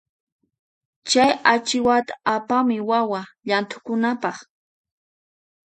Chay achiwata apamuy wawa llanthukunanpaq.